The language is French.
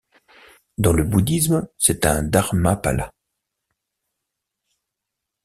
Dans le bouddhisme, c'est un dharmapala.